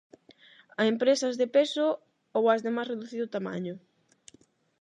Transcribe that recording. A empresas de peso ou ás de máis reducido tamaño?